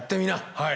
はい。